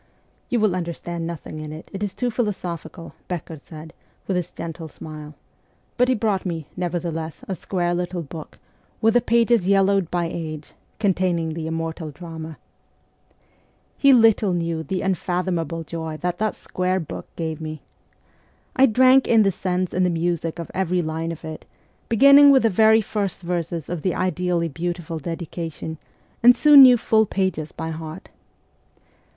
' You will understand nothing in it ; it is too philosophical,' Becker said, with his gentle smile ; but he brought me, nevertheless, THE CORPS OF PAGES 101 a little square book, with the pages yellowed by age, containing the immortal drama. He little knew the unfathomable joy that that small square book gave me. I drank in the sense and the music of every line of it, beginning with the very first verses of the ideally beautiful dedication, and soon knew full pages by heart.